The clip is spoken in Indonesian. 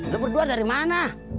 lu berdua dari mana